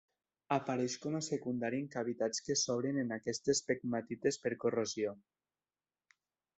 Apareix com a secundari en cavitats que s'obren en aquestes pegmatites per corrosió.